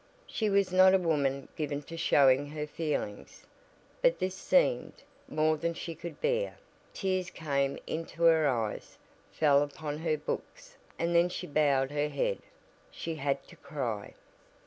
She was not a woman given to showing her feelings, but this seemed more than she could bear; tears came into her eyes, fell upon her books and then she bowed her head she had to cry!